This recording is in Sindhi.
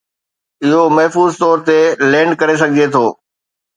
اهو محفوظ طور تي لينڊ ڪري سگهجي ٿو